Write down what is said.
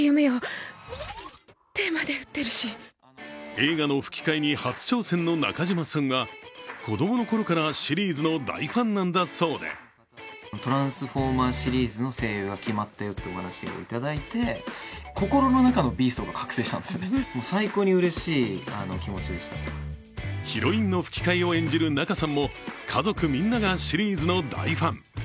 映画の吹き替えに初挑戦の中島さんは子供の頃からシリーズの大ファンなんだそうでヒロインの吹き替えを演じる仲さんも家族みんながシリーズの大ファン。